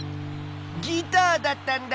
ギターだったんだ！